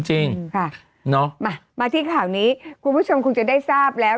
จริงค่ะเนาะมามาที่ข่าวนี้คุณผู้ชมคงจะได้ทราบแล้ว